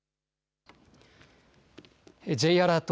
Ｊアラート